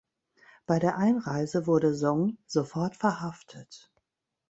Bei der Einreise wurde Song sofort verhaftet.